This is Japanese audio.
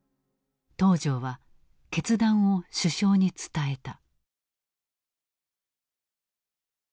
東條は決断を首相に伝えた。